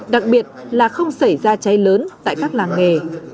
đặc biệt là không xảy ra cháy lớn tại các làng nghề